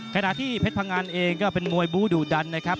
ขณะที่เพชรพังอันเองก็เป็นมวยบูดุดันนะครับ